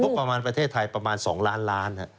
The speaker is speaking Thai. ประมาณประเทศไทยประมาณ๒ล้านล้าน